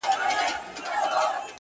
• د پانوس لمبه مي ولوېده له نوره -